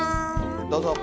どうぞ。